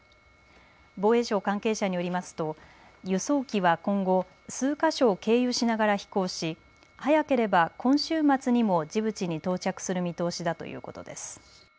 防衛省関係者によりますと輸送機は今後数か所を経由しながら飛行し早ければ今週末にもジブチに到着する見通しだということです。